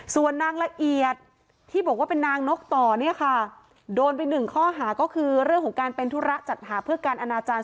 ส่วนนางละเอียดที่บอกว่าเป็นนางนกต่อเนี่ยค่ะโดนไปหนึ่งข้อหาก็คือเรื่องของการเป็นธุระจัดหาเพื่อการอนาจารย